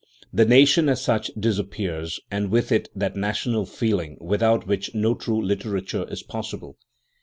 The nation as such disappears, and with it that national feeling without which, no true literature is possible.